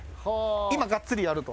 今がっつりやると。